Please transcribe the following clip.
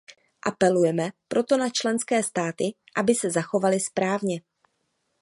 Apelujeme proto na členské státy, aby se zachovaly správně.